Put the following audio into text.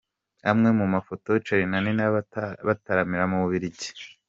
Amwe mu mafoto Charly na Nina bataramira mu bubirigi: .